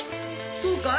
そうかい？